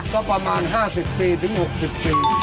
ก็ประมาณ๕๐ปีถึง๖๐ปี